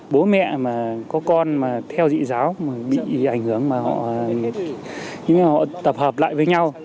bố mẹ mà có con mà theo dị giáo mà bị ảnh hưởng mà họ tập hợp lại với nhau